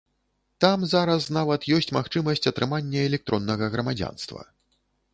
Там зараз нават ёсць магчымасць атрымання электроннага грамадзянства.